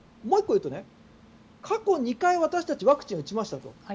もう１個言うと過去２回私たちはワクチンを打ちましたと。